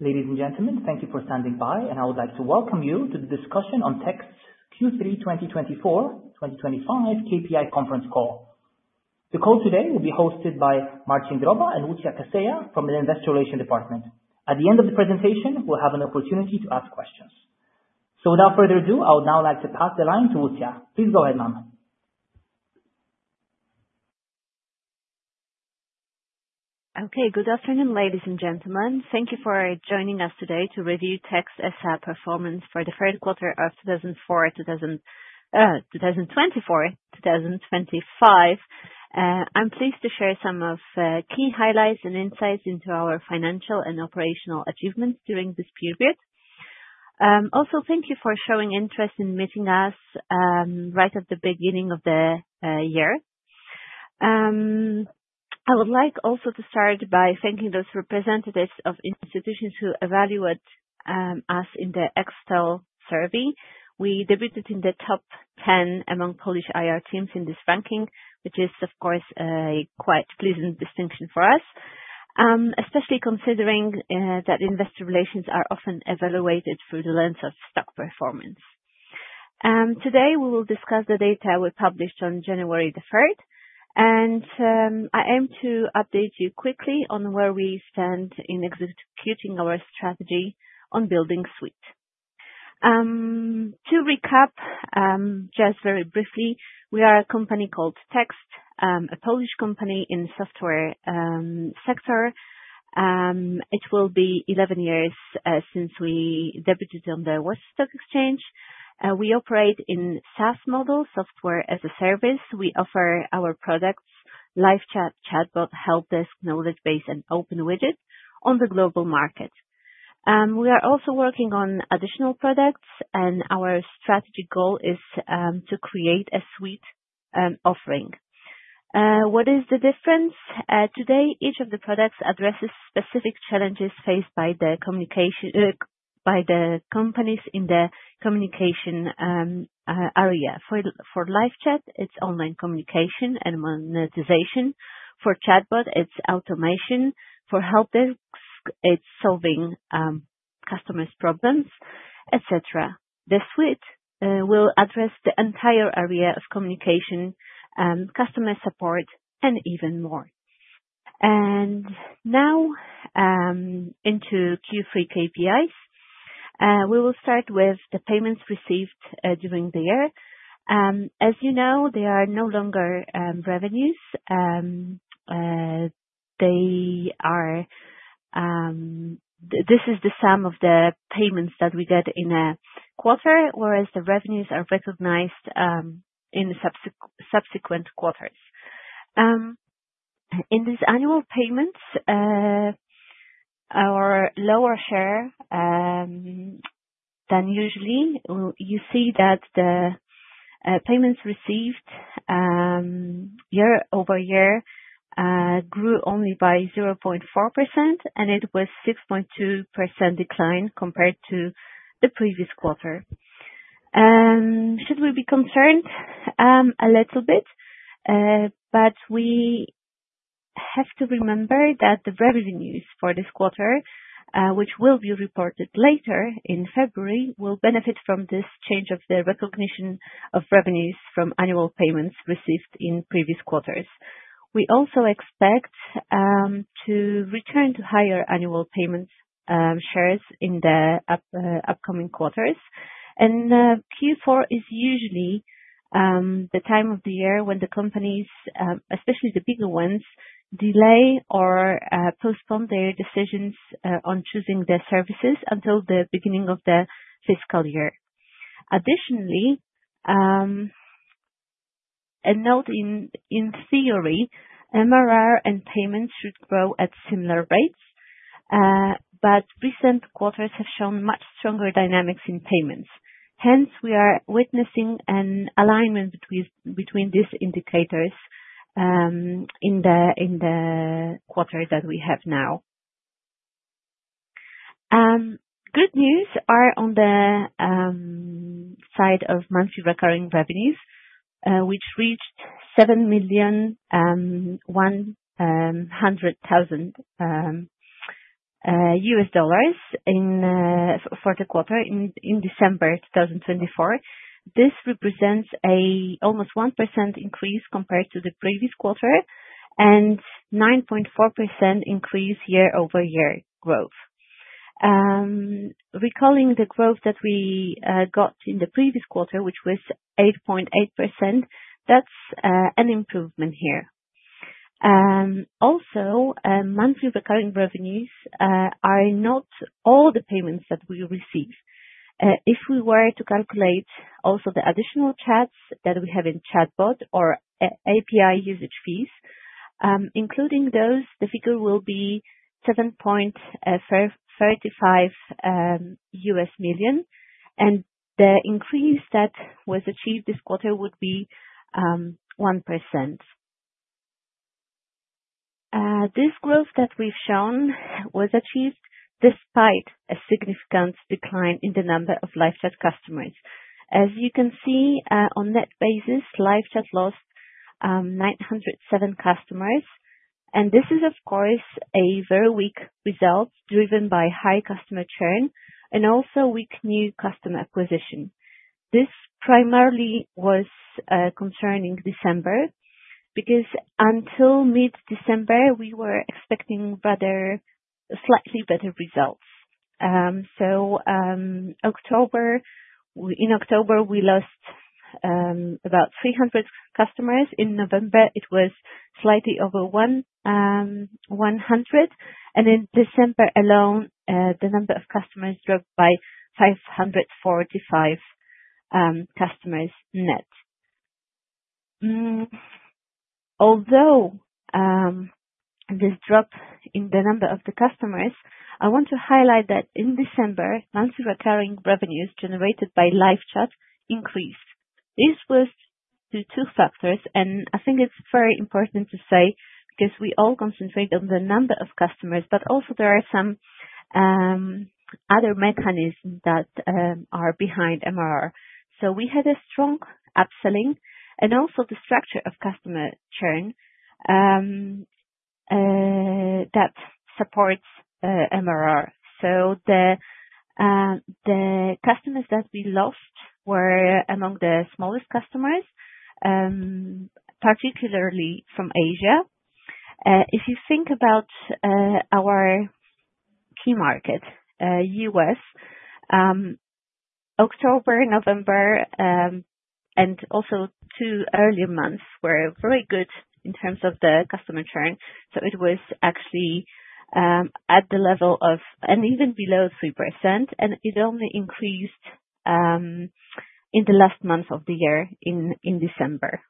Ladies and gentlemen, thank you for standing by, and I would like to welcome you to the discussion on Text Q3 2024-2025 KPI conference call. The call today will be hosted by Marcin Droba and Lucja Kaseja from the Investor Relations Department. At the end of the presentation, we'll have an opportunity to ask questions. So, without further ado, I would now like to pass the line to Lucja. Please go ahead, ma'am. Okay, good afternoon, ladies and gentlemen. Thank you for joining us today to review Text S.A. performance for the third quarter of 2024, 2025. I'm pleased to share some of the key highlights and insights into our financial and operational achievements during this period. Also, thank you for showing interest in meeting us right at the beginning of the year. I would like also to start by thanking those representatives of institutions who evaluate us in the Extel survey. We debuted in the top 10 among Polish IR teams in this ranking, which is, of course, a quite pleasant distinction for us, especially considering that investor relations are often evaluated through the lens of stock performance. Today, we will discuss the data we published on January the 3rd, and I aim to update you quickly on where we stand in executing our strategy on building Suite. To recap, just very briefly, we are a company called Text, a Polish company in the software sector. It will be 11 years since we debuted on the Warsaw Stock Exchange. We operate in SaaS model, software as a service. We offer our products: LiveChat, ChatBot, HelpDesk, KnowledgeBase, and OpenWidget on the global market. We are also working on additional products, and our strategy goal is to create a Suite offering. What is the difference? Today, each of the products addresses specific challenges faced by the companies in the communication area. For LiveChat, it's online communication and monetization. For ChatBot, it's automation. For HelpDesk, it's solving customers' problems, etc. The Suite will address the entire area of communication, customer support, and even more. And now into Q3 KPIs. We will start with the payments received during the year. As you know, they are no longer revenues. This is the sum of the payments that we get in a quarter, whereas the revenues are recognized in subsequent quarters. In these annual payments, our lower share than usually, you see that the payments received year over year grew only by 0.4%, and it was a 6.2% decline compared to the previous quarter. Should we be concerned a little bit? But we have to remember that the revenues for this quarter, which will be reported later in February, will benefit from this change of the recognition of revenues from annual payments received in previous quarters. We also expect to return to higher annual payment shares in the upcoming quarters. And Q4 is usually the time of the year when the companies, especially the bigger ones, delay or postpone their decisions on choosing their services until the beginning of the fiscal year. Additionally, a note in theory, MRR and payments should grow at similar rates, but recent quarters have shown much stronger dynamics in payments. Hence, we are witnessing an alignment between these indicators in the quarter that we have now. Good news are on the side of monthly recurring revenues, which reached $7,100,000 for the quarter in December 2024. This represents an almost 1% increase compared to the previous quarter and a 9.4% increase year over year growth. Recalling the growth that we got in the previous quarter, which was 8.8%, that's an improvement here. Also, monthly recurring revenues are not all the payments that we receive. If we were to calculate also the additional chats that we have in chatbot or API usage fees, including those, the figure will be $7.35 million, and the increase that was achieved this quarter would be 1%. This growth that we've shown was achieved despite a significant decline in the number of LiveChat customers. As you can see, on that basis, LiveChat lost 907 customers, and this is, of course, a very weak result driven by high customer churn and also weak new customer acquisition. This primarily was concerning December because until mid-December, we were expecting slightly better results, so in October, we lost about 300 customers. In November, it was slightly over 100, and in December alone, the number of customers dropped by 545 customers net. Although this drop in the number of the customers, I want to highlight that in December, monthly recurring revenues generated by LiveChat increased. This was due to two factors, and I think it's very important to say because we all concentrate on the number of customers, but also there are some other mechanisms that are behind MRR. We had a strong upselling and also the structure of customer churn that supports MRR. The customers that we lost were among the smallest customers, particularly from Asia. If you think about our key market, U.S., October, November, and also two earlier months were very good in terms of the customer churn. It was actually at the level of and even below 3%, and it only increased in the last month of the year in December.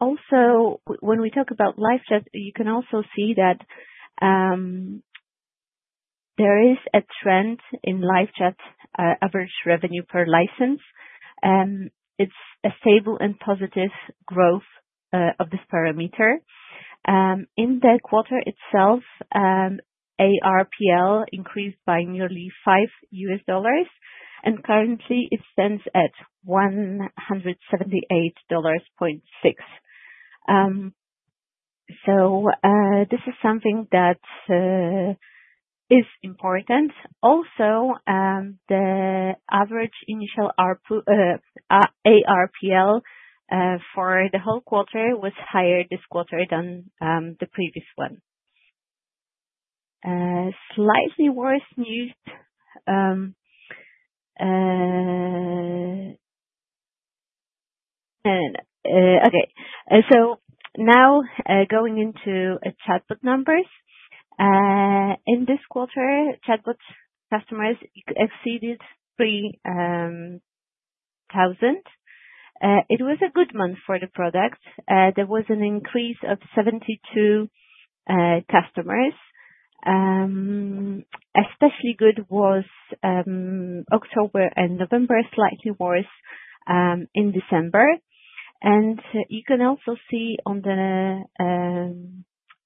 Also, when we talk about live chat, you can also see that there is a trend in live chat average revenue per license. It's a stable and positive growth of this parameter. In the quarter itself, ARPL increased by nearly $5, and currently it stands at $178.6. This is something that is important. Also, the average initial ARPL for the whole quarter was higher this quarter than the previous one. Slightly worse news. Okay. So now going into ChatBot numbers. In this quarter, ChatBot customers exceeded 3,000. It was a good month for the product. There was an increase of 72 customers. Especially good was October and November, slightly worse in December. And you can also see on the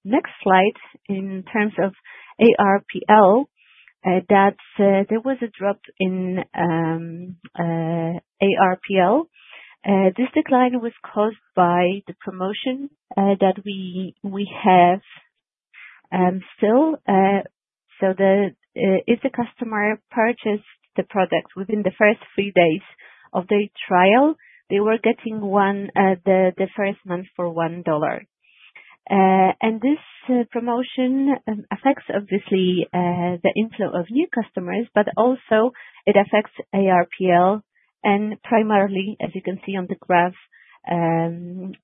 next slide in terms of ARPL that there was a drop in ARPL. This decline was caused by the promotion that we have still. So if the customer purchased the product within the first three days of their trial, they were getting one the first month for $1. And this promotion affects, obviously, the inflow of new customers, but also it affects ARPL and primarily, as you can see on the graph,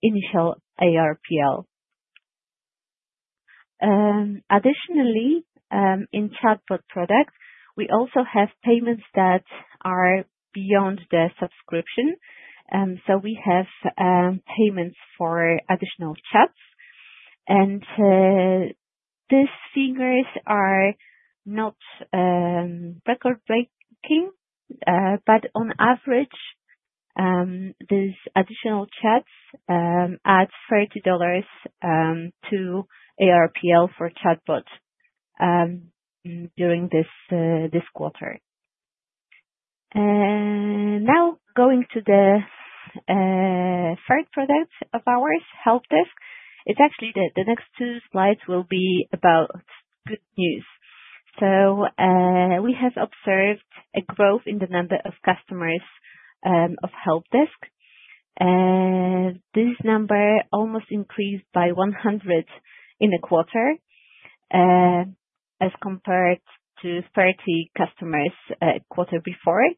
initial ARPL. Additionally, in ChatBot products, we also have payments that are beyond the subscription. So we have payments for additional chats. And these figures are not record-breaking, but on average, these additional chats add $30 to ARPL for ChatBot during this quarter. Now, going to the third product of ours, HelpDesk. It's actually the next two slides will be about good news. So we have observed a growth in the number of customers of HelpDesk. This number almost increased by 100 in a quarter as compared to 30 customers a quarter before.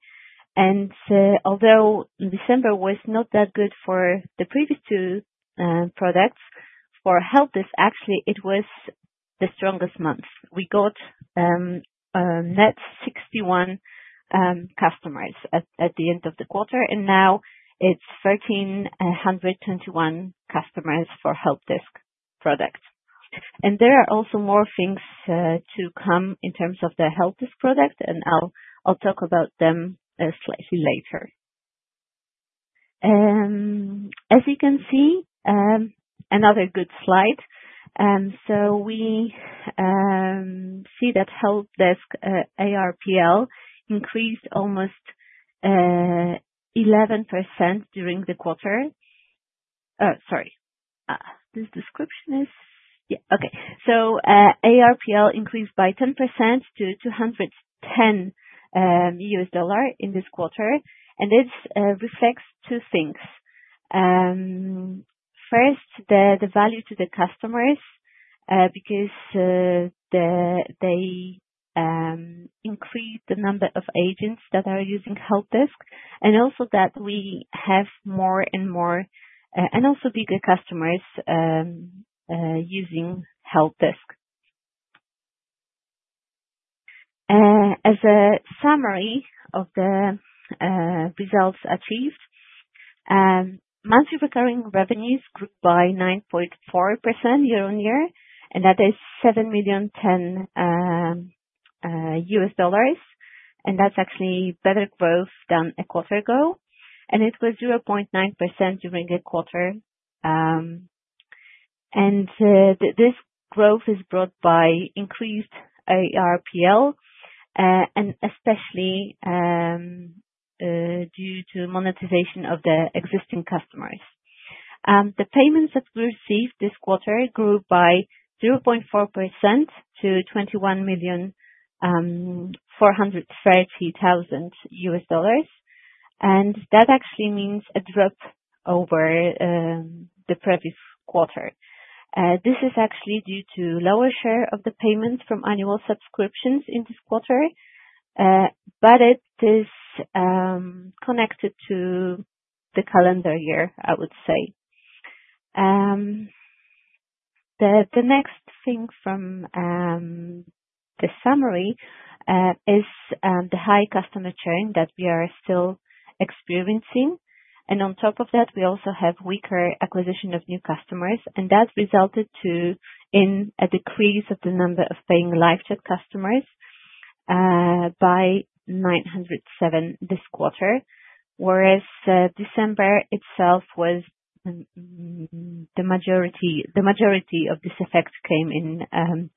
And although December was not that good for the previous two products, for HelpDesk, actually, it was the strongest month. We got net 61 customers at the end of the quarter, and now it's 1,321 customers for HelpDesk products. There are also more things to come in terms of the HelpDesk product, and I'll talk about them slightly later. As you can see, another good slide. So we see that HelpDesk ARPL increased almost 11% during the quarter. Sorry. This description is, yeah, okay. So ARPL increased by 10% to $210 in this quarter, and this reflects two things. First, the value to the customers because they increased the number of agents that are using HelpDesk, and also that we have more and more and also bigger customers using HelpDesk. As a summary of the results achieved, monthly recurring revenues grew by 9.4% yearon year, and that is $7,010,000. And that's actually better growth than a quarter ago, and it was 0.9% during the quarter. This growth is brought by increased ARPL, and especially due to monetization of the existing customers. The payments that we received this quarter grew by 0.4% to $21,430,000. That actually means a drop over the previous quarter. This is actually due to lower share of the payments from annual subscriptions in this quarter, but it is connected to the calendar year, I would say. The next thing from the summary is the high customer churn that we are still experiencing. On top of that, we also have weaker acquisition of new customers, and that resulted in a decrease of the number of paying LiveChat customers by 907 this quarter, whereas December itself was the majority of this effect came in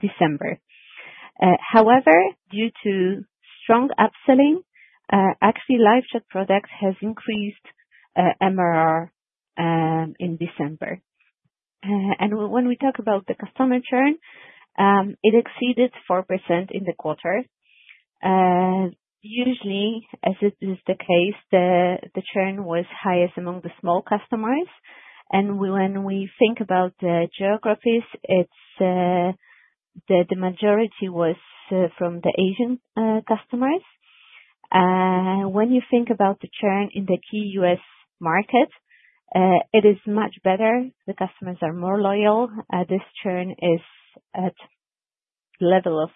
December. However, due to strong upselling, actually LiveChat products has increased MRR in December. When we talk about the customer churn, it exceeded 4% in the quarter. Usually, as it is the case, the churn was highest among the small customers. When we think about the geographies, the majority was from the Asian customers. When you think about the churn in the key U.S. market, it is much better. The customers are more loyal. This churn is at level of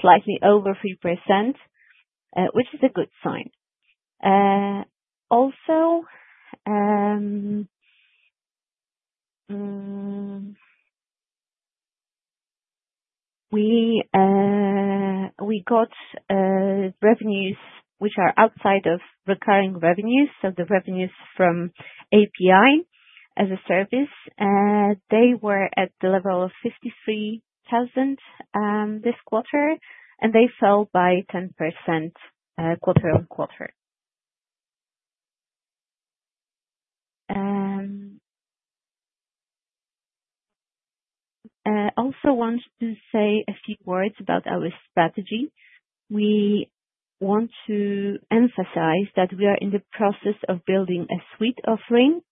slightly over 3%, which is a good sign. Also, we got revenues which are outside of recurring revenues. The revenues from API as a service, they were at the level of 53,000 this quarter, and they fell by 10% quarter on quarter. I also want to say a few words about our strategy. We want to emphasize that we are in the process of building a suite offering.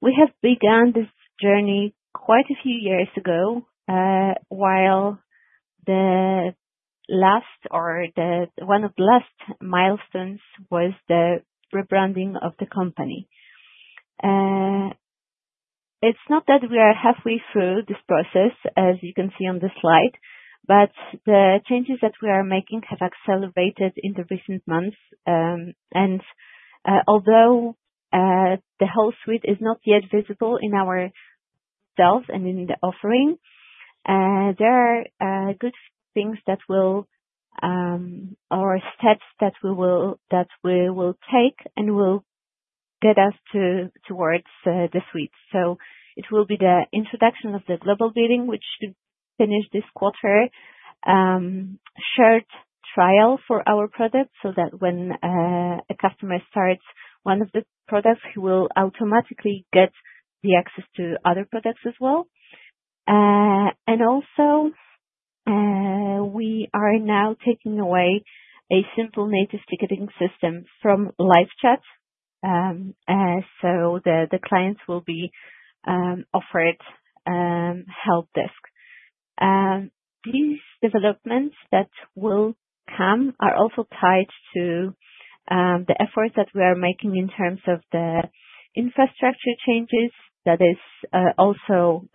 We have begun this journey quite a few years ago while the last or one of the last milestones was the rebranding of the company. It's not that we are halfway through this process, as you can see on the slide, but the changes that we are making have accelerated in the recent months. Although the whole Suite is not yet visible in ourselves and in the offering, there are good things that will or steps that we will take and will get us towards the Suite. So it will be the introduction of the Global Billing, which should finish this quarter, shared trial for our product so that when a customer starts one of the products, he will automatically get the access to other products as well. And also, we are now taking away a simple native ticketing system from LiveChat. The clients will be offered HelpDesk. These developments that will come are also tied to the efforts that we are making in terms of the infrastructure changes. That is also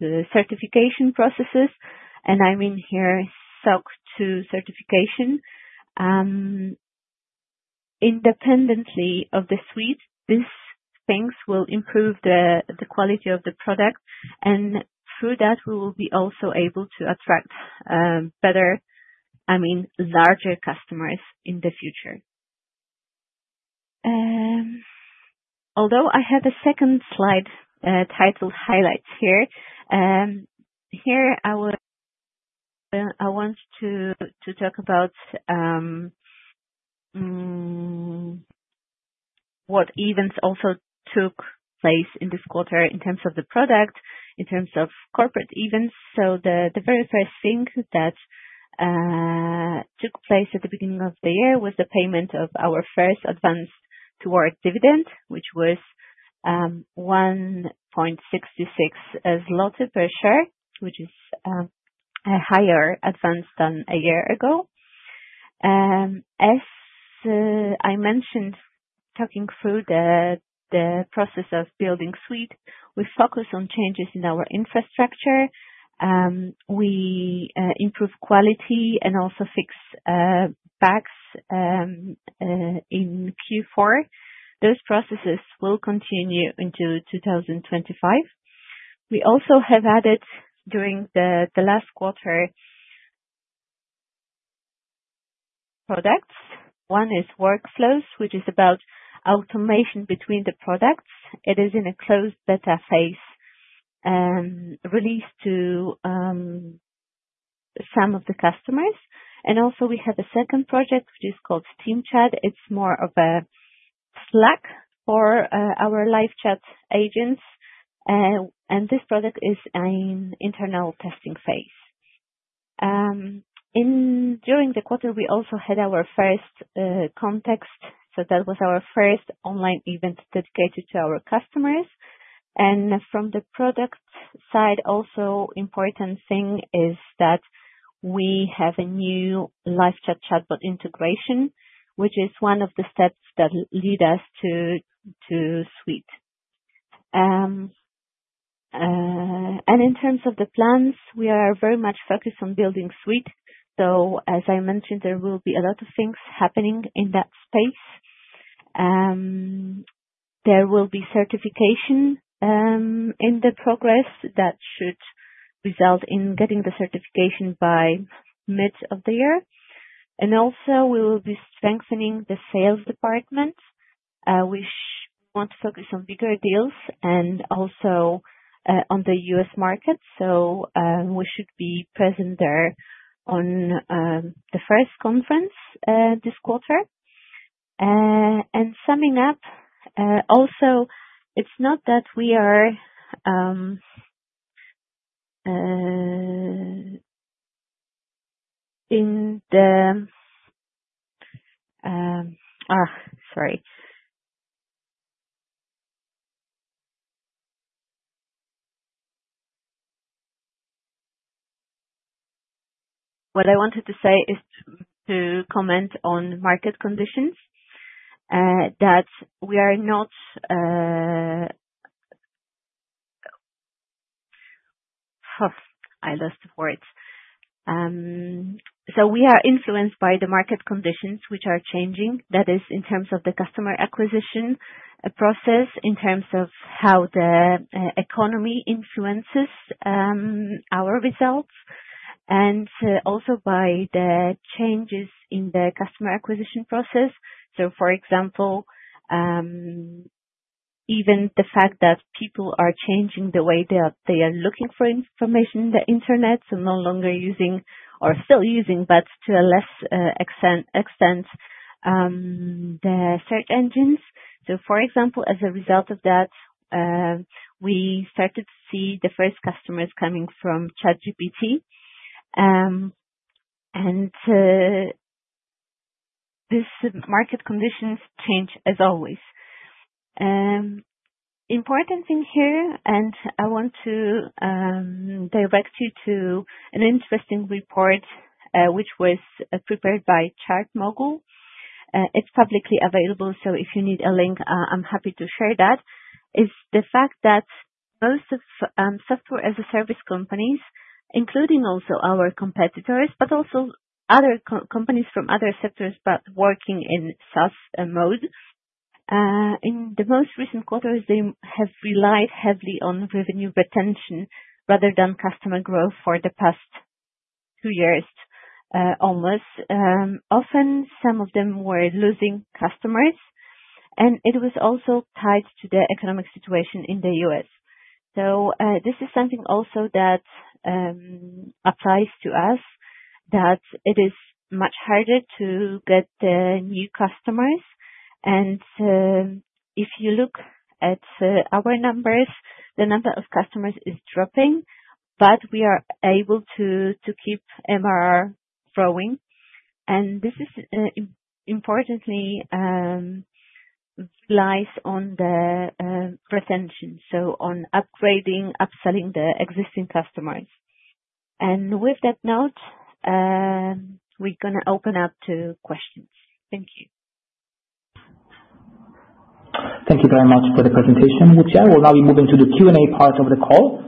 the certification processes. I mean here SOC 2 certification. Independently of the Suite, these things will improve the quality of the product. Through that, we will be also able to attract better, I mean, larger customers in the future. Although I have a second slide titled Highlights here, here I want to talk about what events also took place in this quarter in terms of the product, in terms of corporate events. The very first thing that took place at the beginning of the year was the payment of our first advance toward dividend, which was 1.66 zloty per share, which is a higher advance than a year ago. As I mentioned, talking through the process of building Suite, we focus on changes in our infrastructure. We improve quality and also fix bugs in Q4. Those processes will continue into 2025. We also have added during the last quarter products. One is Workflows, which is about automation between the products. It is in a closed beta phase released to some of the customers. We have a second project, which is called TeamChat. It's more of a Slack for our LiveChat agents. This product is in internal testing phase. During the quarter, we also had our first Connext. That was our first online event dedicated to our customers. From the product side, also important thing is that we have a new LiveChat ChatBot integration, which is one of the steps that lead us to Suite. In terms of the plans, we are very much focused on building Suite. So as I mentioned, there will be a lot of things happening in that space. There will be certification in progress that should result in getting the certification by mid of the year. Also, we will be strengthening the sales department, which wants to focus on bigger deals and also on the US market. So we should be present there on the first conference this quarter. Summing up, also, it's not that we are in the—sorry. What I wanted to say is to comment on market conditions that we are not—I lost the words. So we are influenced by the market conditions, which are changing. That is in terms of the customer acquisition process, in terms of how the economy influences our results, and also by the changes in the customer acquisition process. So for example, even the fact that people are changing the way that they are looking for information on the internet, so no longer using or still using, but to a less extent, the search engines. So for example, as a result of that, we started to see the first customers coming from ChatGPT. And these market conditions change, as always. Important thing here, and I want to direct you to an interesting report, which was prepared by ChartMogul. It's publicly available, so if you need a link, I'm happy to share that. It's the fact that most of Software as a Service companies, including also our competitors, but also other companies from other sectors but working in SaaS mode, in the most recent quarters, they have relied heavily on revenue retention rather than customer growth for the past two years almost. Often, some of them were losing customers, and it was also tied to the economic situation in the U.S. So this is something also that applies to us, that it is much harder to get new customers. And if you look at our numbers, the number of customers is dropping, but we are able to keep MRR growing. And this importantly relies on the retention, so on upgrading, upselling the existing customers. And with that note, we're going to open up to questions. Thank you. Thank you very much for the presentation, Lucja. We'll now be moving to the Q&A part of the call.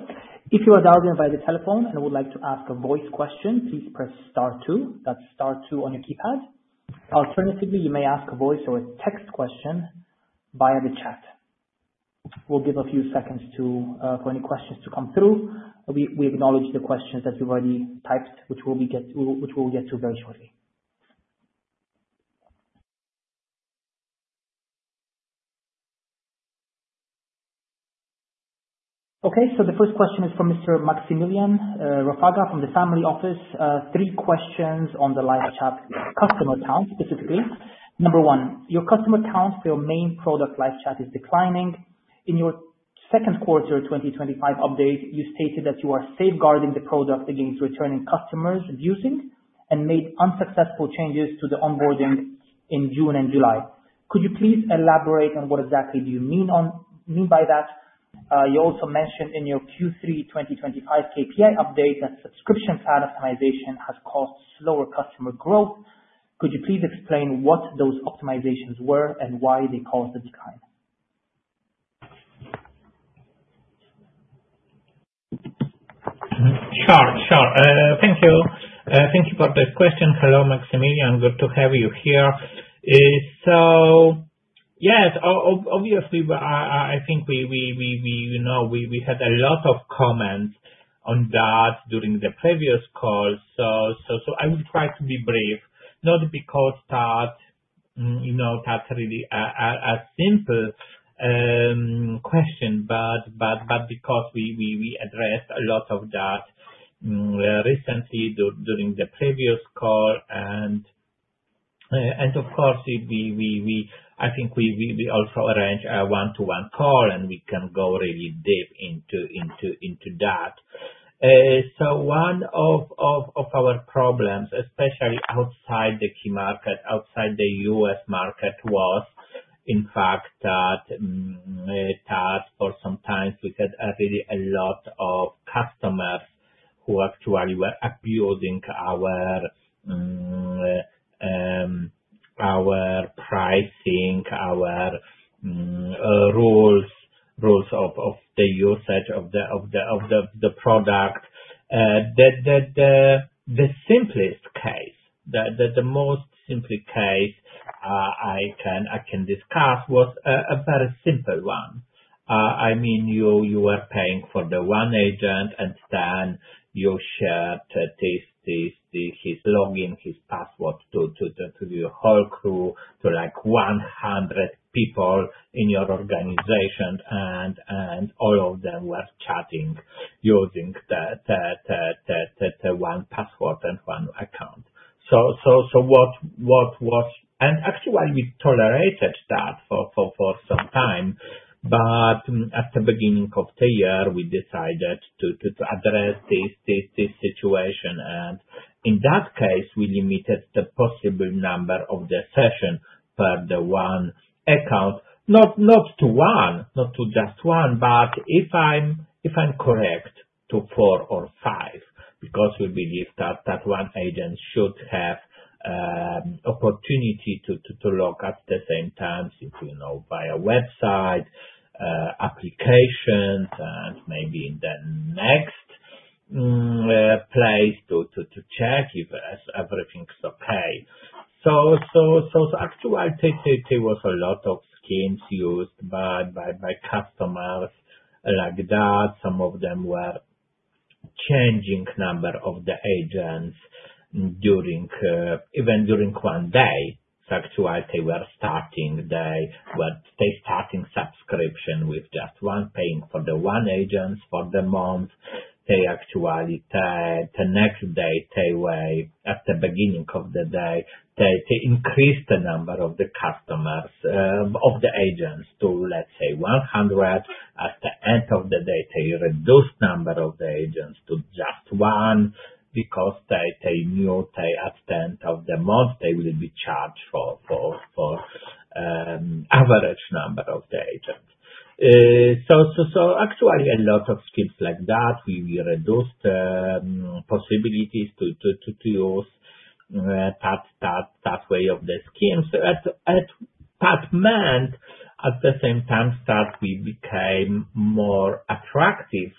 If you are dialed in by the telephone and would like to ask a voice question, please press star two. That's star two on your keypad. Alternatively, you may ask a voice or a text question via the chat. We'll give a few seconds for any questions to come through. We acknowledge the questions that you've already typed, which we'll get to very shortly. Okay. So the first question is from Mr. Maximilian Rafaga from The Family Office. Three questions on the LiveChat customer account specifically. Number one, your customer account for your main product LiveChat is declining. In your second quarter 2025 update, you stated that you are safeguarding the product against returning customers abusing and made unsuccessful changes to the onboarding in June and July. Could you please elaborate on what exactly do you mean by that? You also mentioned in your Q3 2025 KPI update that subscription plan optimization has caused slower customer growth. Could you please explain what those optimizations were and why they caused the decline? Sure. Sure. Thank you. Thank you for the question. Hello, Maximilian. Good to have you here. So yes, obviously, I think we had a lot of comments on that during the previous call. So I will try to be brief, not because that's really a simple question, but because we addressed a lot of that recently during the previous call, and of course, I think we also arranged a one-to-one call, and we can go really deep into that. One of our problems, especially outside the key market, outside the U.S. market, was, in fact, that for some time, we had really a lot of customers who actually were abusing our pricing, our rules of the usage of the product. The simplest case, the most simple case I can discuss was a very simple one. I mean, you were paying for the one agent, and then you shared his login, his password to the whole crew, to 100 people in your organization, and all of them were chatting using the one password and one account. So what was and actually, we tolerated that for some time, but at the beginning of the year, we decided to address this situation. And in that case, we limited the possible number of the sessions per the one account, not to one, not to just one, but if I'm correct, to four or five, because we believe that one agent should have the opportunity to look at the same times via website, applications, and maybe in the next place to check if everything's okay. So actually, there was a lot of schemes used by customers like that. Some of them were changing the number of the agents even during one day. So actually, they were starting subscription with just one, paying for the one agent for the month. They actually, the next day, they were at the beginning of the day, they increased the number of the customers, of the agents to, let's say, 100. At the end of the day, they reduced the number of the agents to just one because they knew that at the end of the month, they will be charged for the average number of the agents. So actually, a lot of schemes like that, we reduced the possibilities to use that way of the scheme. So that meant, at the same time, that we became more attractive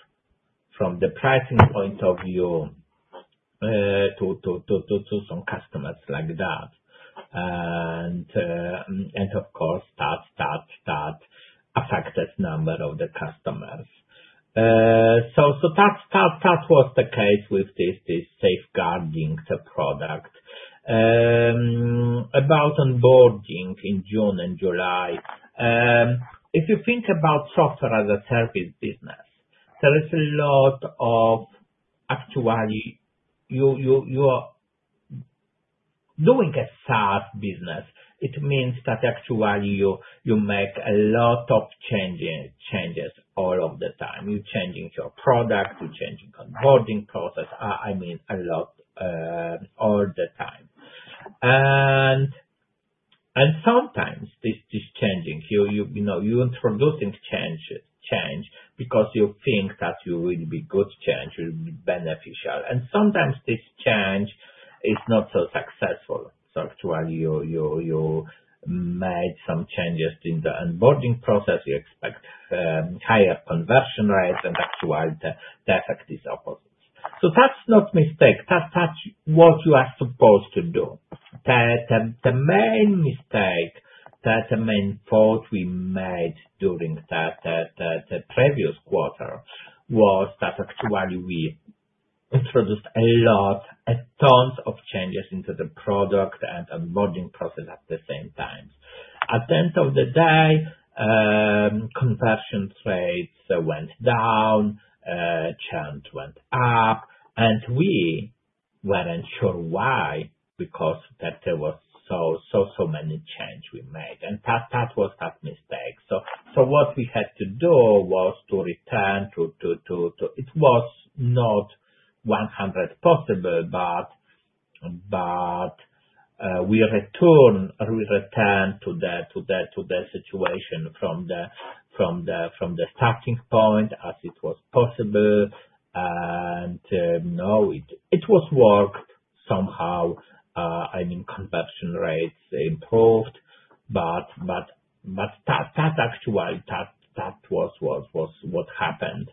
from the pricing point of view to some customers like that. And of course, that affected the number of the customers. So that was the case with this safeguarding the product. About onboarding in June and July, if you think about software as a service business, there is a lot of, actually, you are doing a SaaS business. It means that actually, you make a lot of changes all of the time. You're changing your product. You're changing onboarding process. I mean a lot all the time, and sometimes this changing, you're introducing change because you think that it will be good change, it will be beneficial, and sometimes this change is not so successful, so actually you made some changes in the onboarding process. You expect higher conversion rates, and actually the effect is opposite, so that's not a mistake. That's what you are supposed to do. The main mistake, the main fault we made during the previous quarter was that actually we introduced a lot, tons of changes into the product and onboarding process at the same time. At the end of the day, conversion rates went down, churns went up, and we weren't sure why because there was so many changes we made, and that was that mistake. So what we had to do was to return to, it was not 100% possible, but we returned to the situation from the starting point as it was possible. And no, it worked somehow. I mean, conversion rates improved, but that actually, that was what happened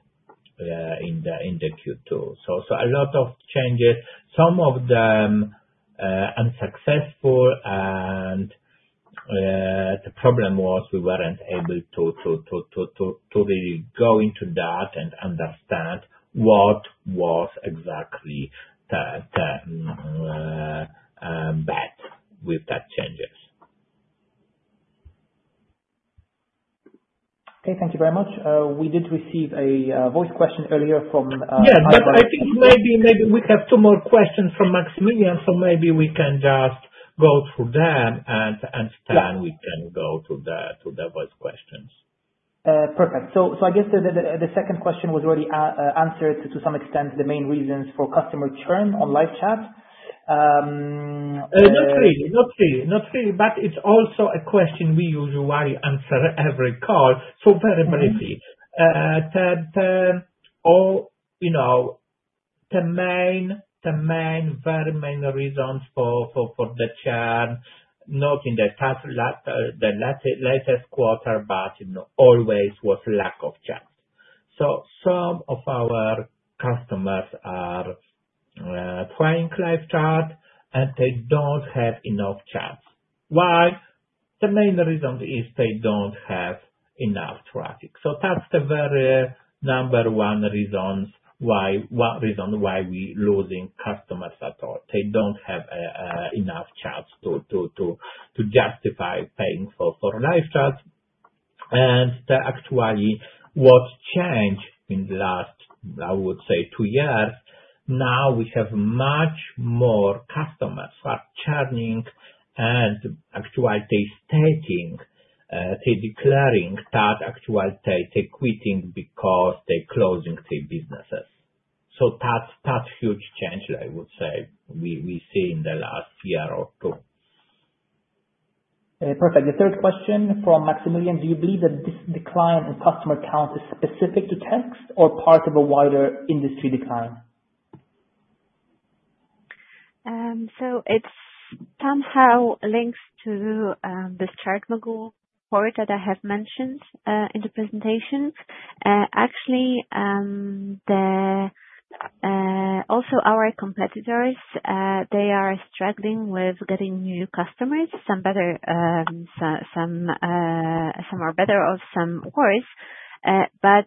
in the Q2. So a lot of changes. Some of them unsuccessful, and the problem was we weren't able to really go into that and understand what was exactly that bad with that changes. Okay. Thank you very much. We did receive a voice question earlier from. Yeah, but I think maybe we have two more questions from Maximilian, so maybe we can just go through them, and then we can go to the voice questions. Perfect. So I guess the second question was already answered to some extent, the main reasons for customer churn on LiveChat. Not really. Not really. Not really. But it's also a question we usually answer every call. So very briefly, the main, very main reasons for the churn, not in the latest quarter, but always was lack of chat. So some of our customers are trying live chat, and they don't have enough chats. Why? The main reason is they don't have enough traffic. So that's the very number one reason why we're losing customers at all. They don't have enough chats to justify paying for live chats. And actually, what changed in the last, I would say, two years, now we have much more customers who are churning, and actually, they're stating, they're declaring that actually, they're quitting because they're closing their businesses. So that's a huge change, I would say, we see in the last year or two. Okay. Perfect. The third question from Maximilian: Do you believe that this decline in customer count is specific to Text or part of a wider industry decline? So it somehow links to this ChartMogul report that I have mentioned in the presentation. Actually, also our competitors, they are struggling with getting new customers, some are better off, some worse. But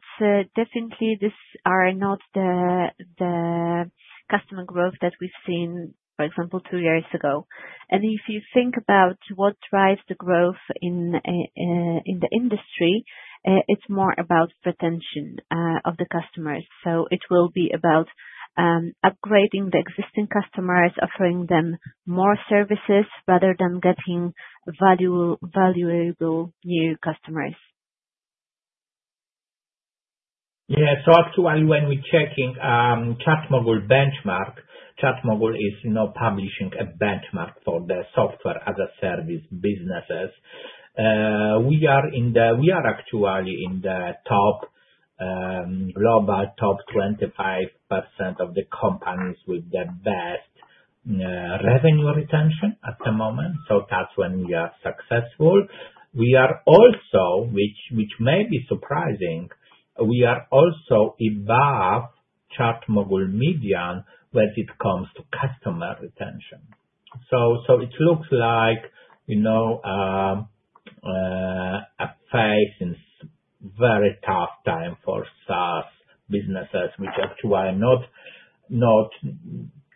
definitely, these are not the customer growth that we've seen, for example, two years ago. And if you think about what drives the growth in the industry, it's more about retention of the customers. So it will be about upgrading the existing customers, offering them more services rather than getting valuable new customers. Yeah. So actually, when we're checking ChartMogul benchmark, ChartMogul is now publishing a benchmark for the software as a service businesses. We are actually in the global top 25% of the companies with the best revenue retention at the moment. So that's when we are successful. We are also, which may be surprising, we are also above ChartMogul median when it comes to customer retention. So it looks like a phase in very tough time for SaaS businesses, which actually are not,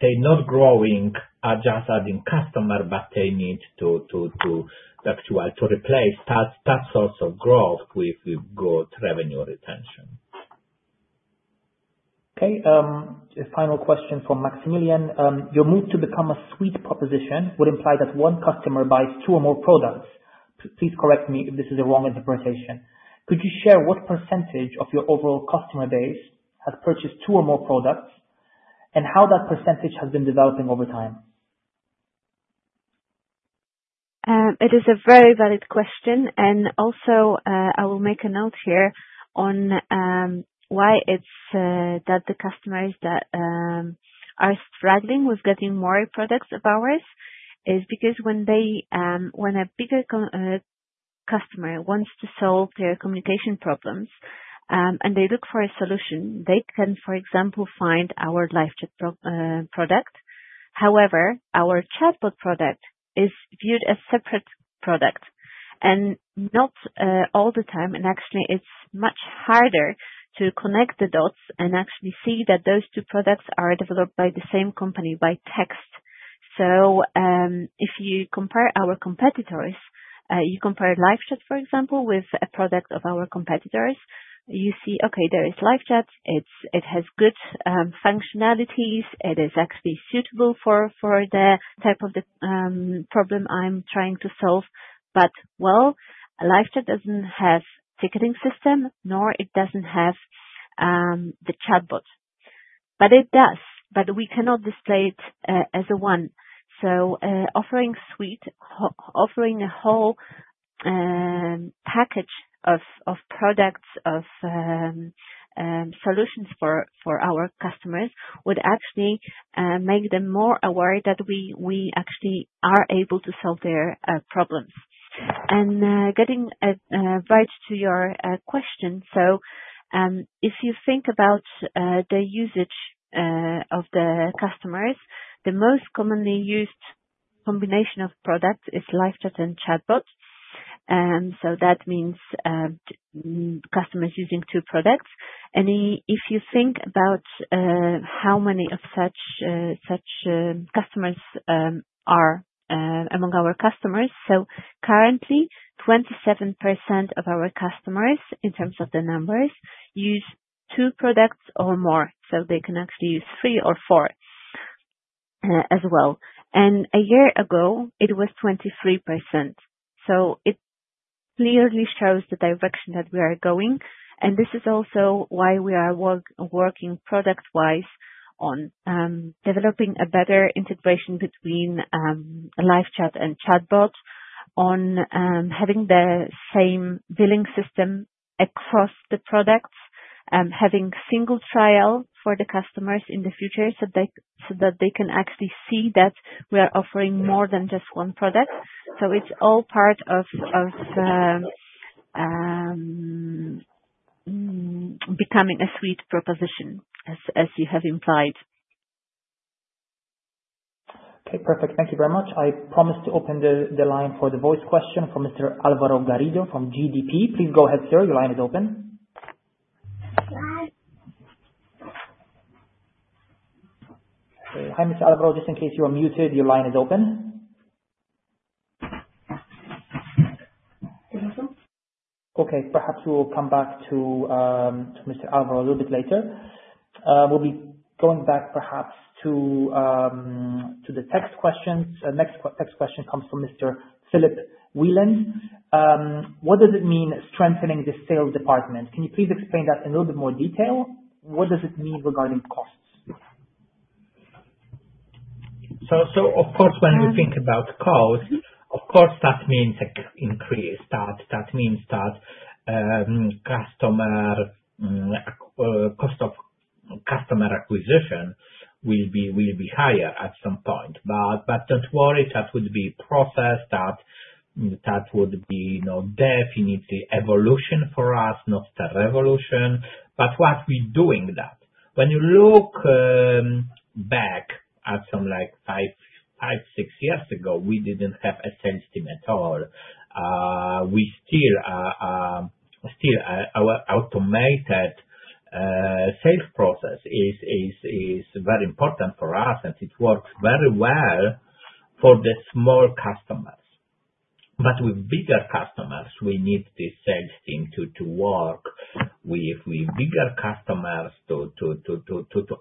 they're not growing, are just adding customers, but they need to actually replace that source of growth with good revenue retention. Okay. Final question from Maximilian: your move to become a suite proposition would imply that one customer buys two or more products. Please correct me if this is a wrong interpretation. Could you share what percentage of your overall customer base has purchased two or more products, and how that percentage has been developing over time? It is a very valid question. Also, I will make a note here on why it's that the customers that are struggling with getting more products of ours is because when a bigger customer wants to solve their communication problems and they look for a solution, they can, for example, find our LiveChat product. However, our ChatBot product is viewed as a separate product and not all the time. Actually, it's much harder to connect the dots and actually see that those two products are developed by the same company by Text. If you compare our competitors, you compare LiveChat, for example, with a product of our competitors, you see, okay, there is LiveChat. It has good functionalities. It is actually suitable for the type of problem I'm trying to solve. But well, LiveChat doesn't have a ticketing system, nor does it have the ChatBot. But it does, but we cannot display it as one. So offering a whole package of products, of solutions for our customers would actually make them more aware that we actually are able to solve their problems. And getting right to your question, so if you think about the usage of the customers, the most commonly used combination of products is LiveChat and ChatBot. And so that means customers using two products. And if you think about how many of such customers are among our customers, so currently, 27% of our customers, in terms of the numbers, use two products or more. So they can actually use three or four as well. And a year ago, it was 23%. So it clearly shows the direction that we are going. And this is also why we are working product-wise on developing a better integration between LiveChat and ChatBot on having the same billing system across the products, having single trial for the customers in the future so that they can actually see that we are offering more than just one product. So it's all part of becoming a suite proposition, as you have implied. Okay. Perfect. Thank you very much. I promised to open the line for the voice question for Mr. Álvaro Garrido from GDP. Please go ahead, sir. Your line is open. Okay. Hi, Mr. Álvaro. Just in case you are muted, your line is open. Okay. Perhaps we will come back to Mr. Álvaro a little bit later. We'll be going back perhaps to the text questions. Next text question comes from Mr. Philip Wheeland. What does it mean, strengthening the sales department? Can you please explain that in a little bit more detail? What does it mean regarding costs? So of course, when we think about cost, of course, that means increase. That means that customer cost of customer acquisition will be higher at some point. But don't worry, that would be process. That would be definitely evolution for us, not a revolution. But what we're doing that when you look back at some like five, six years ago, we didn't have a sales team at all. We still our automated sales process is very important for us, and it works very well for the small customers. But with bigger customers, we need this sales team to work with bigger customers to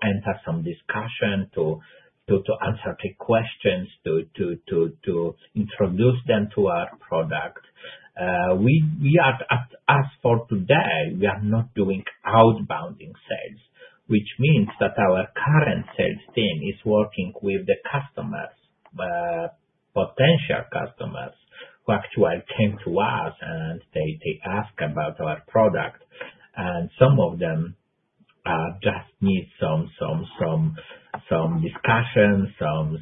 enter some discussion, to answer questions, to introduce them to our product. As of today, we are not doing outbound sales, which means that our current sales team is working with the customers, potential customers who actually came to us, and they ask about our product. Some of them just need some discussion, some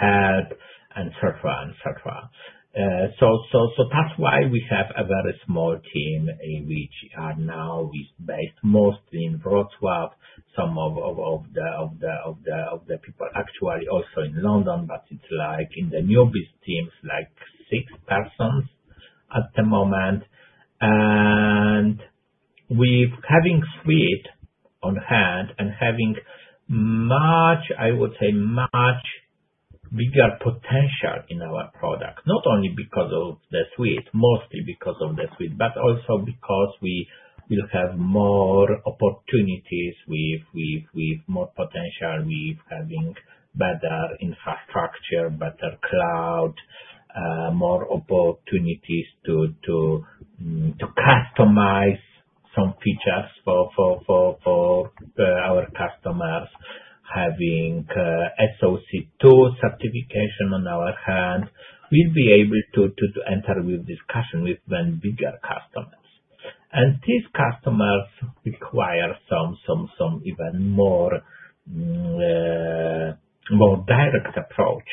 help, and so forth. That's why we have a very small team which are now based mostly in Wrocław. Some of the people are actually also in London, but it's like in the new business team, like six persons at the moment. We're having Suite on hand and having, I would say, much bigger potential in our product, not only because of the Suite, mostly because of the Suite, but also because we will have more opportunities with more potential, with having better infrastructure, better cloud, more opportunities to customize some features for our customers, having SOC 2 certification on our hand. We'll be able to enter with discussion with bigger customers, and these customers require some even more direct approach,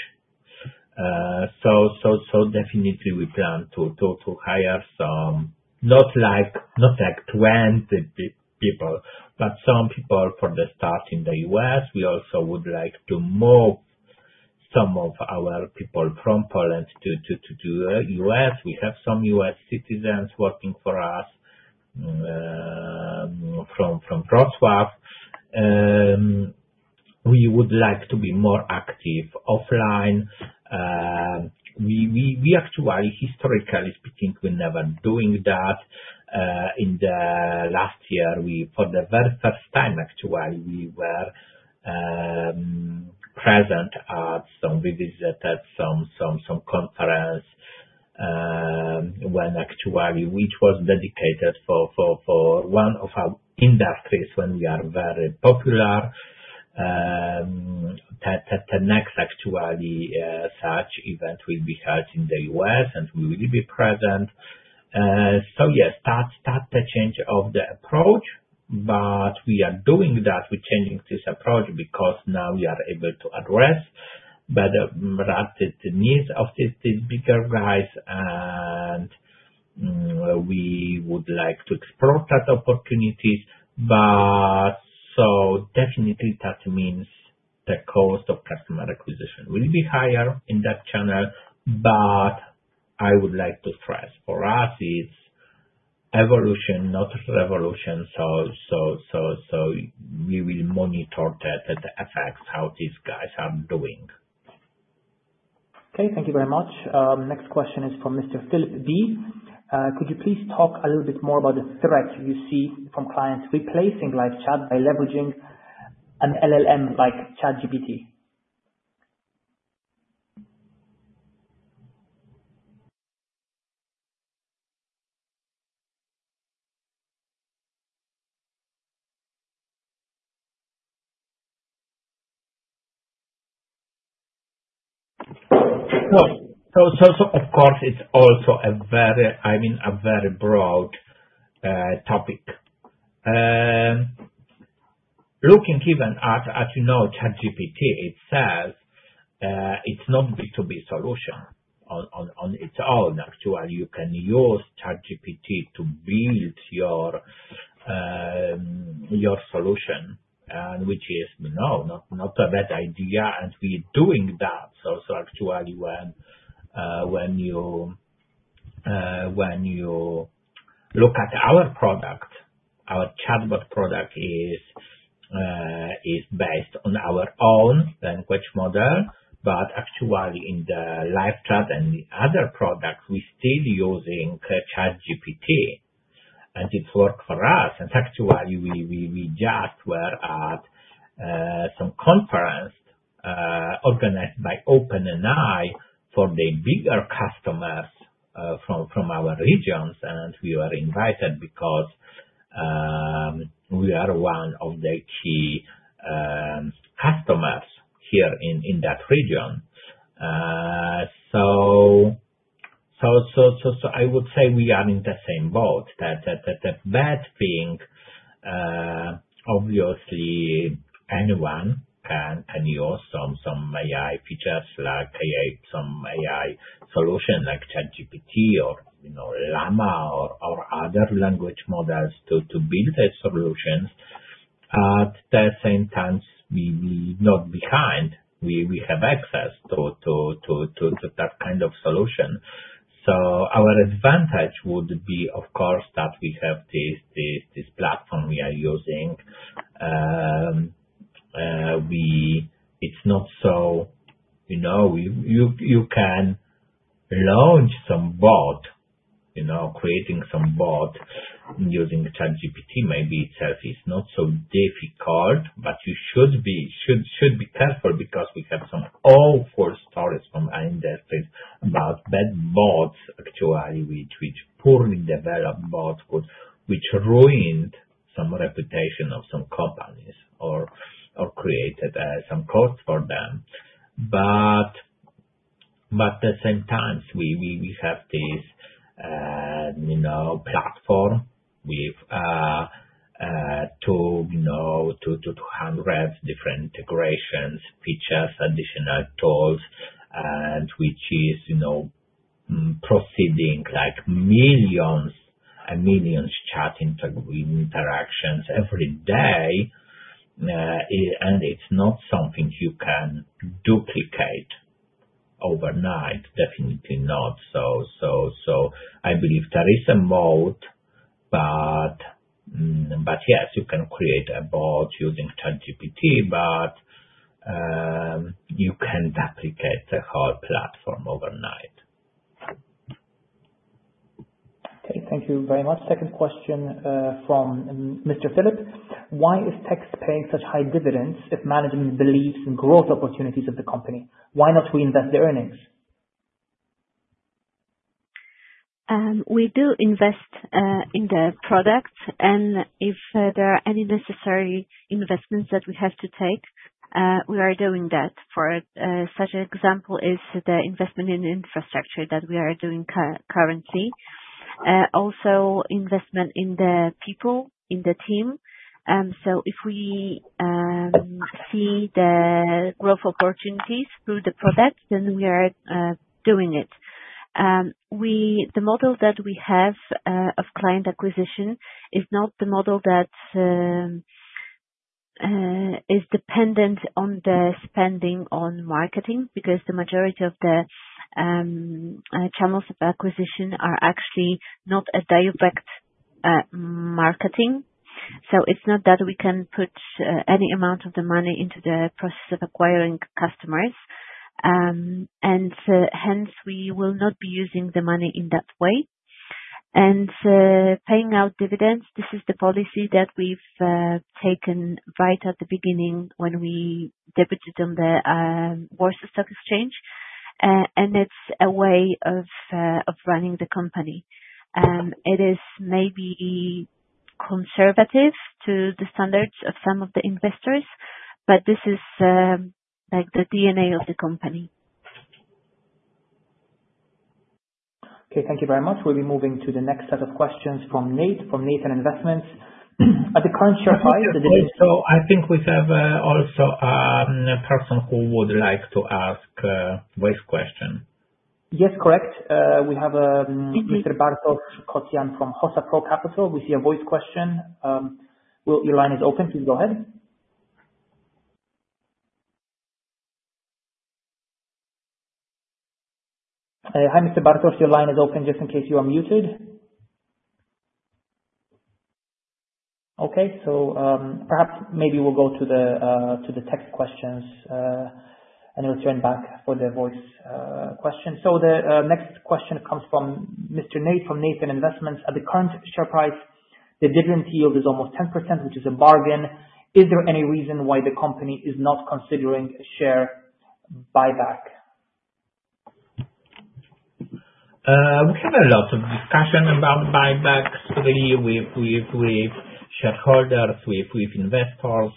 so definitely we plan to hire some, not like 20 people, but some people for the start in the U.S. We also would like to move some of our people from Poland to the U.S. We have some U.S. citizens working for us from Wrocław. We would like to be more active offline. We actually, historically speaking, we're never doing that. In the last year, for the very first time, actually, we were present at some visit at some conference, which actually was dedicated for one of our industries when we are very popular. The next actually such event will be held in the US, and we will be present, so yes, that's the change of the approach, but we are doing that. We're changing this approach because now we are able to address better the needs of these bigger guys, and we would like to explore that opportunity. But so definitely, that means the cost of customer acquisition will be higher in that channel. But I would like to stress for us, it's evolution, not revolution. So we will monitor the effects, how these guys are doing. Okay. Thank you very much. Next question is from Mr. Philip D. Could you please talk a little bit more about the threat you see from clients replacing live chat by leveraging an LLM like ChatGPT? So of course, it's also a very broad topic. Looking even at ChatGPT itself, it's not a B2B solution on its own. Actually, you can use ChatGPT to build your solution, which is not a bad idea. And we're doing that. So actually, when you look at our product, our ChatBot product is based on our own language model. But actually, in the LiveChat and the other products, we're still using ChatGPT, and it's worked for us. We just were at some conference organized by OpenAI for the bigger customers from our regions. We were invited because we are one of the key customers here in that region. I would say we are in the same boat. The bad thing, obviously, anyone can use some AI features like some AI solution like ChatGPT or Llama or other language models to build these solutions. At the same time, we're not behind. We have access to that kind of solution. Our advantage would be, of course, that we have this platform we are using. It's not so you can launch some bot, creating some bot using ChatGPT. Maybe itself is not so difficult, but you should be careful because we have some awful stories from our industry about bad bots actually which poorly developed bots which ruined some reputation of some companies or created some cost for them. But at the same time, we have this platform with up to 200 different integrations, features, additional tools, and which is processing like millions and millions chatting with interactions every day. And it's not something you can duplicate overnight, definitely not. So I believe there is a moat. But yes, you can create a bot using ChatGPT, but you can't duplicate the whole platform overnight. Okay. Thank you very much. Second question from Mr. Philip D. Why is Text paying such high dividends if management believes in growth opportunities of the company? Why not reinvest the earnings? We do invest in the product. And if there are any necessary investments that we have to take, we are doing that. For such an example is the investment in infrastructure that we are doing currently. Also, investment in the people, in the team. So if we see the growth opportunities through the product, then we are doing it. The model that we have of client acquisition is not the model that is dependent on the spending on marketing because the majority of the channels of acquisition are actually not a direct marketing. So it's not that we can put any amount of the money into the process of acquiring customers. And hence, we will not be using the money in that way. And paying out dividends, this is the policy that we've taken right at the beginning when we debuted on the Warsaw Stock Exchange. And it's a way of running the company. It is maybe conservative to the standards of some of the investors, but this is the DNA of the company. Okay. Thank you very much. We'll be moving to the next set of questions from Nathan Investments. At the current share price, the dividends. So I think we have also a person who would like to ask a voice question. Yes, correct. We have Mr. Bartosz Kocian from Hossa Pro Capital with your voice question. Your line is open. Please go ahead. Hi, Mr. Bartosz. Your line is open just in case you are muted. Okay. So perhaps maybe we'll go to the text questions and return back for the voice question. So the next question comes from Mr. Nate from Nathan Investments. At the current share price, the dividend yield is almost 10%, which is a bargain. Is there any reason why the company is not considering share buyback? We have a lot of discussion about buybacks. We've shareholders with investors.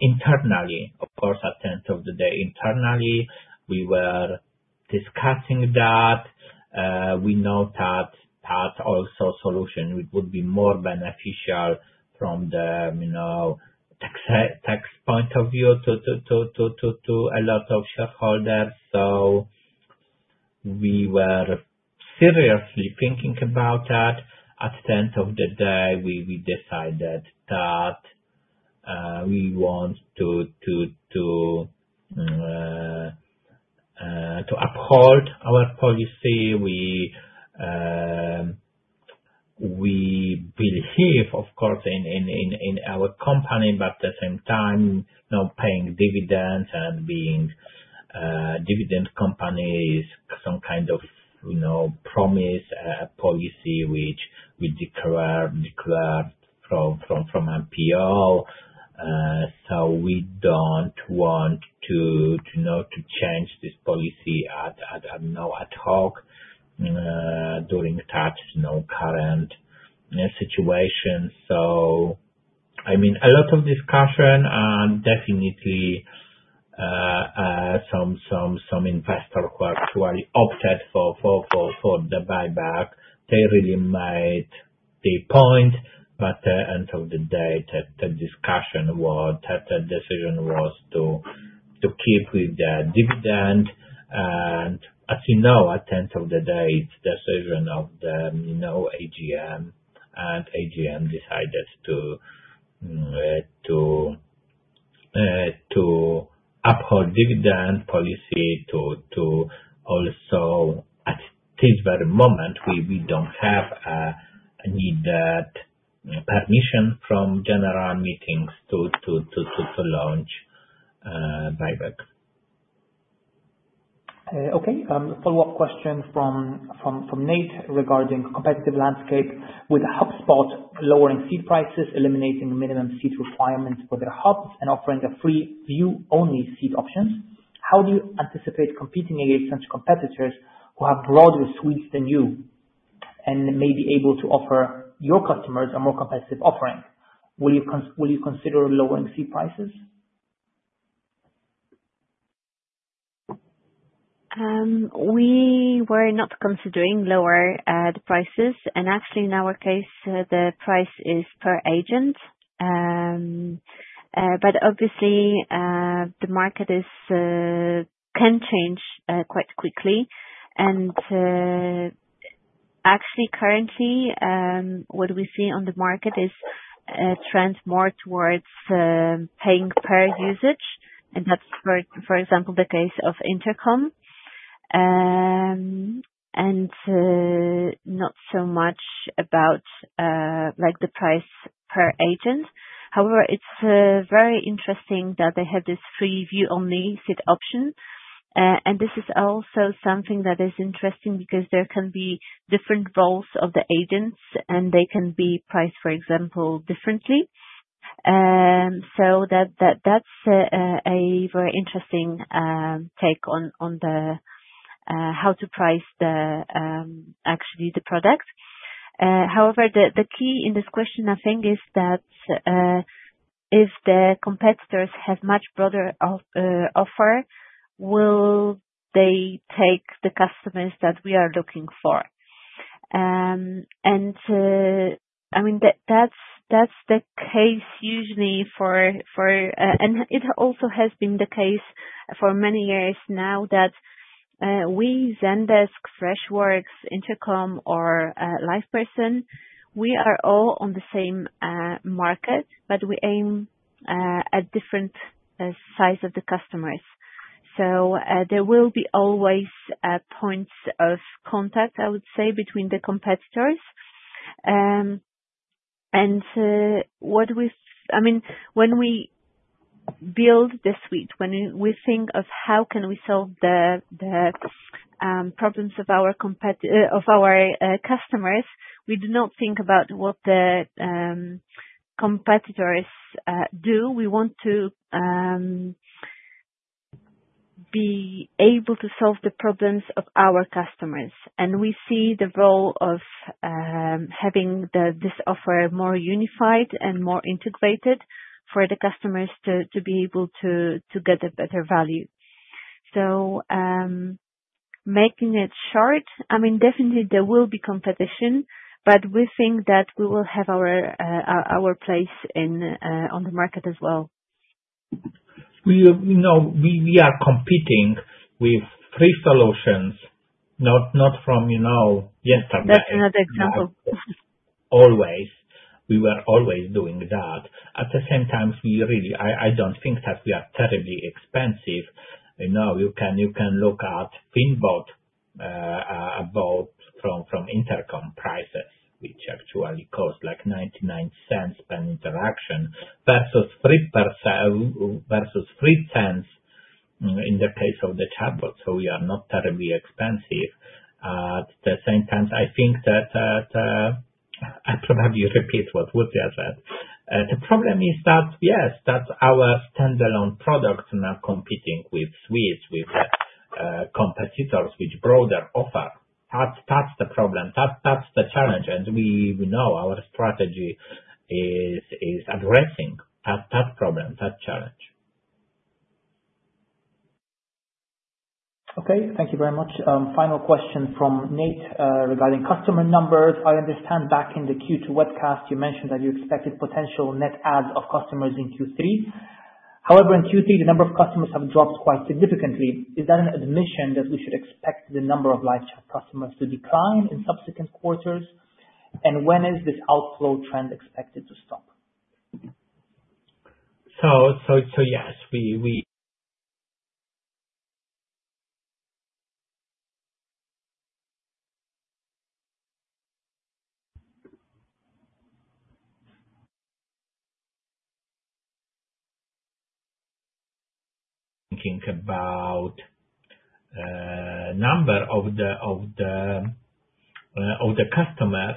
Internally, of course, at the end of the day, internally, we were discussing that. We know that a solution would be more beneficial from the tax point of view to a lot of shareholders, so we were seriously thinking about that. At the end of the day, we decided that we want to uphold our policy. We believe, of course, in our company, but at the same time, paying dividends and being a dividend company is some kind of promised policy which we declared from IPO, so we don't want to change this policy ad hoc during such current situation, so I mean, a lot of discussion and definitely some investor who actually opted for the buyback, they really made the point, but at the end of the day, the decision was to stick with the dividend. As you know, at the end of the day, it's the decision of the AGM, and the AGM decided to uphold dividend policy. Also, at this very moment, we don't have the needed permission from general meetings to launch buyback. Okay. Follow-up question from Nate regarding competitive landscape with HubSpot lowering seat prices, eliminating minimum seat requirements for their hubs, and offering a free view-only seat options. How do you anticipate competing against such competitors who have broader suites than you and may be able to offer your customers a more competitive offering? Will you consider lowering seat prices? We were not considering lower the prices. And actually, in our case, the price is per agent. But obviously, the market can change quite quickly. And actually, currently, what we see on the market is a trend more towards paying per usage. That's, for example, the case of Intercom and not so much about the price per agent. However, it's very interesting that they have this free view-only seat option. And this is also something that is interesting because there can be different roles of the agents, and they can be priced, for example, differently. So that's a very interesting take on how to price actually the product. However, the key in this question, I think, is that if the competitors have much broader offer, will they take the customers that we are looking for? And I mean, that's the case usually for and it also has been the case for many years now that we Zendesk, Freshworks, Intercom, or LivePerson, we are all on the same market, but we aim at different size of the customers. So there will be always points of contact, I would say, between the competitors. And I mean, when we build the suite, when we think of how can we solve the problems of our customers, we do not think about what the competitors do. We want to be able to solve the problems of our customers. And we see the role of having this offer more unified and more integrated for the customers to be able to get a better value. So making it short, I mean, definitely, there will be competition, but we think that we will have our place on the market as well. We are competing with free solutions, not from yesterday. That's another example. Always. We were always doing that. At the same time, I don't think that we are terribly expensive. You can look at Fin bot from Intercom prices, which actually costs like $0.99 per interaction versus $0.03 in the case of the chatbot. So we are not terribly expensive. At the same time, I think that I probably repeat what Woody has said. The problem is that, yes, that our standalone products are now competing with suites, with competitors which broader offer. That's the problem. That's the challenge. And we know our strategy is addressing that problem, that challenge. Okay. Thank you very much. Final question from Nate regarding customer numbers. I understand back in the Q2 webcast, you mentioned that you expected potential net adds of customers in Q3. However, in Q3, the number of customers have dropped quite significantly. Is that an admission that we should expect the number of live chat customers to decline in subsequent quarters? And when is this outflow trend expected to stop? So yes, we think about the number of the customers.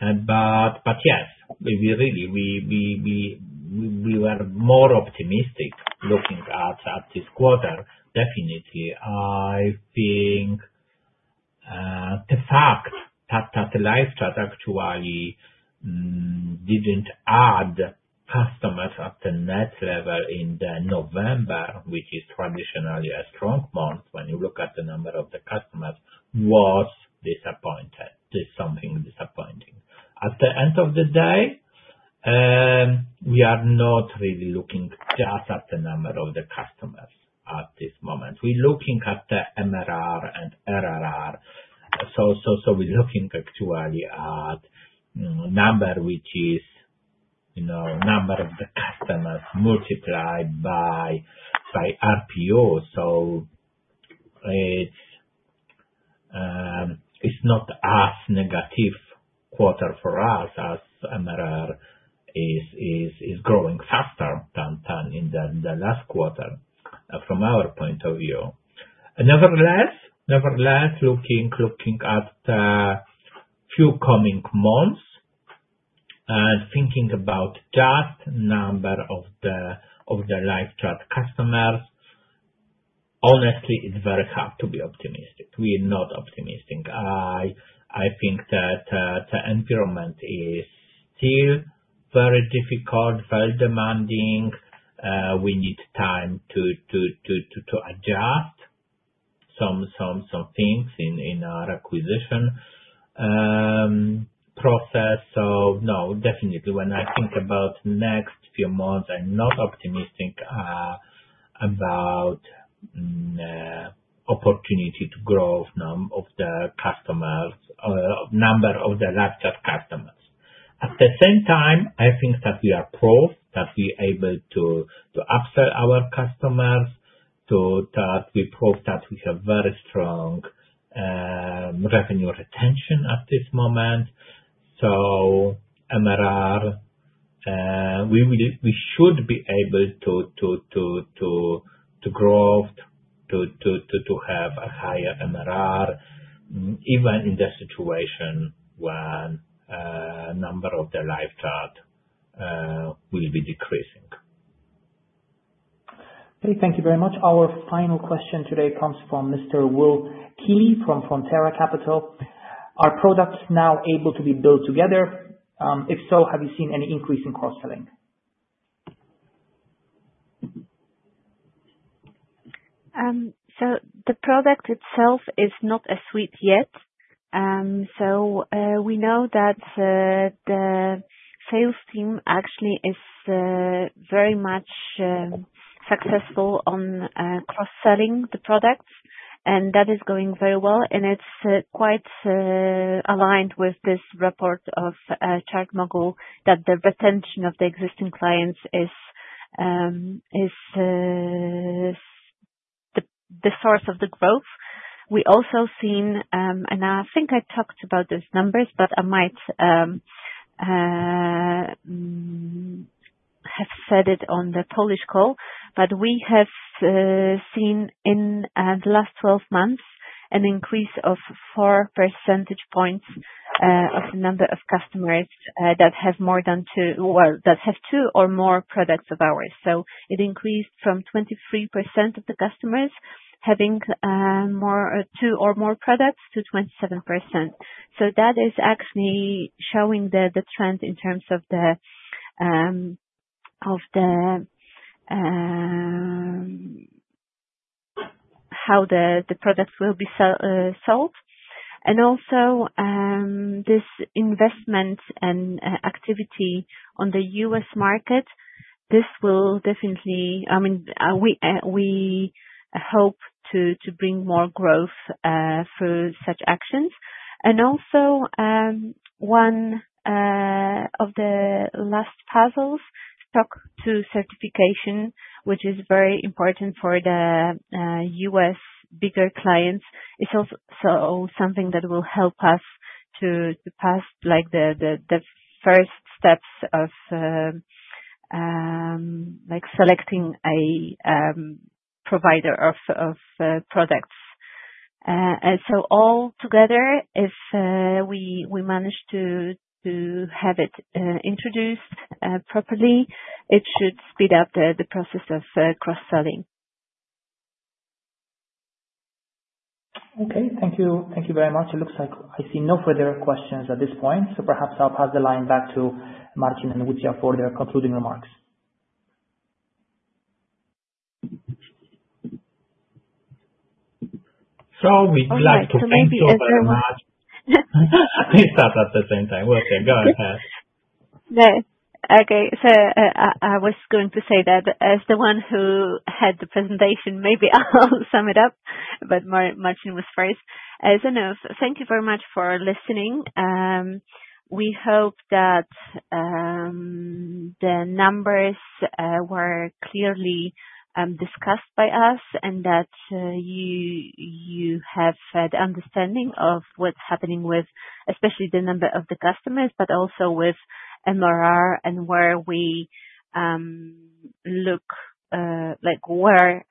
But yes, really, we were more optimistic looking at this quarter, definitely. I think the fact that LiveChat actually didn't add customers at the net level in November, which is traditionally a strong month when you look at the number of the customers, was disappointing. This is something disappointing. At the end of the day, we are not really looking just at the number of the customers at this moment. We're looking at the MRR and RRR. So we're looking actually at number, which is number of the customers multiplied by RPO. So it's not as negative quarter for us as MRR is growing faster than in the last quarter from our point of view. Nevertheless, looking at the few coming months and thinking about just number of the LiveChat customers, honestly, it's very hard to be optimistic. We are not optimistic. I think that the environment is still very difficult, very demanding. We need time to adjust some things in our acquisition process. So no, definitely, when I think about next few months, I'm not optimistic about opportunity to grow of the number of the live chat customers. At the same time, I think that we are proof that we are able to upsell our customers, that we prove that we have very strong revenue retention at this moment. So MRR, we should be able to grow, to have a higher MRR, even in the situation when number of the live chat will be decreasing. Okay. Thank you very much. Our final question today comes from Mr. Will Keeley from Frontera Capital. Are products now able to be built together? If so, have you seen any increase in cross-selling? So the product itself is not a suite yet. We know that the sales team actually is very much successful on cross-selling the products, and that is going very well. It's quite aligned with this report of ChartMogul that the retention of the existing clients is the source of the growth. We also seen, and I think I talked about these numbers, but I might have said it on the Polish call, but we have seen in the last 12 months an increase of 4 percentage points of the number of customers that have two or more products of ours. It increased from 23% of the customers having two or more products to 27%. That is actually showing the trend in terms of how the products will be sold. And also, this investment and activity on the U.S. market, this will definitely, I mean, we hope to bring more growth through such actions. And also, one of the last puzzles, SOC 2 certification, which is very important for the US bigger clients, is also something that will help us to pass the first steps of selecting a provider of products. And so altogether, if we manage to have it introduced properly, it should speed up the process of cross-selling. Okay. Thank you very much. It looks like I see no further questions at this point. So perhaps I'll pass the line back to Marcin and Lucja for their concluding remarks. So we'd like to thank you very much. Please stop at the same time. Would you, go ahead. Okay. So I was going to say that as the one who had the presentation, maybe I'll sum it up, but Marcin was first. As I know, thank you very much for listening. We hope that the numbers were clearly discussed by us and that you have the understanding of what's happening with especially the number of the customers, but also with MRR and where we look, where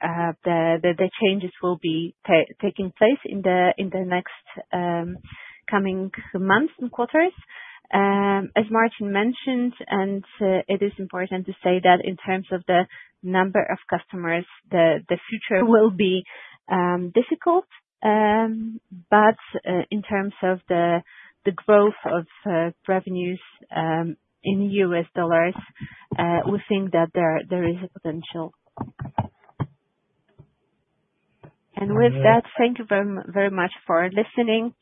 the changes will be taking place in the next coming months and quarters. As Marcin mentioned, and it is important to say that in terms of the number of customers, the future will be difficult. But in terms of the growth of revenues in U.S. dollars, we think that there is a potential. And with that, thank you very much for listening.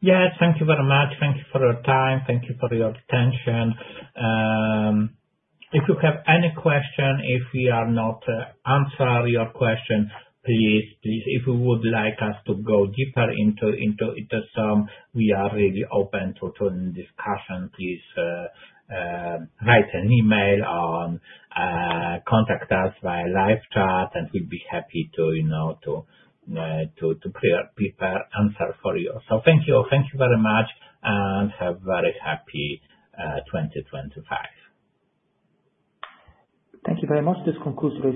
Yes. Thank you very much. Thank you for your time. Thank you for your attention. If you have any question, if we are not answering your question, please, please, if you would like us to go deeper into some, we are really open to discussion. Please write an email or contact us via live chat, and we'd be happy to prepare answer for you. So thank you. Thank you very much, and have a very happy 2025. Thank you very much. This concludes the.